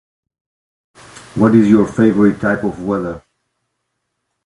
What is your favorite type of weather?